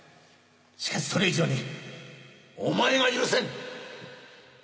しかしそれ以上にお前が許せん！